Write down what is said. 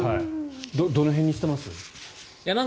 どの辺にしてます？